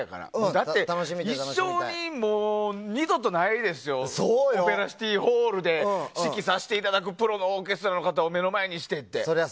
だって、一生に２度とないでしょオペラシティホールで指揮させていただくプロのオーケストラの方を目の前にしてって。